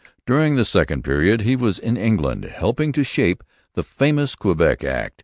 During the second period he was in England, helping to shape the famous Quebec Act.